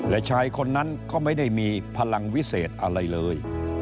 และชายคนนั้นก็ไม่ได้มีพลังวิเศษอะไรเลย